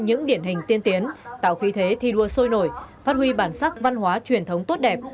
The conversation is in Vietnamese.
những điển hình tiên tiến tạo khí thế thi đua sôi nổi phát huy bản sắc văn hóa truyền thống tốt đẹp